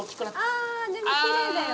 ああでもきれいだよ。